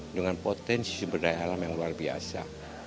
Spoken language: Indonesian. dengan potensi berdaya alam yang luar biasa